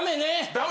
ダメ。